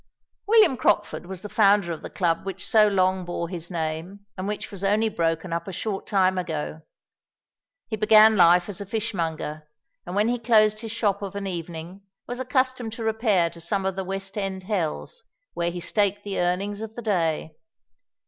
William Crockford was the founder of the Club which so long bore his name, and which was only broken up a short time ago. He began life as a fishmonger; and when he closed his shop of an evening, was accustomed to repair to some of the West End hells, where he staked the earnings of the day.